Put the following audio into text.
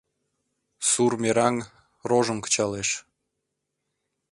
Сур мераҥ рожым кычалеш